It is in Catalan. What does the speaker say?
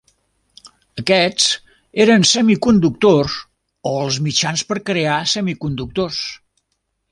Aquests eren semiconductors o els mitjans per crear semiconductors.